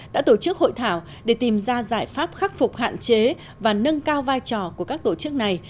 đã tổ chức hội thảo để tìm ra giải pháp khắc phục hạn chế và nâng cao vai trò của các tổ chức này